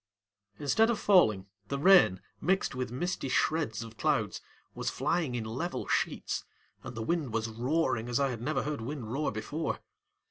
Instead of falling, the rain, mixed with misty shreds of clouds, was flying in level sheets, and the wind was roaring as I had never heard wind roar before.